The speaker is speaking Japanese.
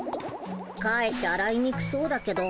かえってあらいにくそうだけど。